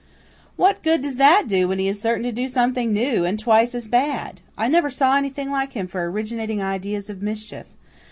"What good does that do when he is certain to do something new and twice as bad? I never saw anything like him for originating ideas of mischief.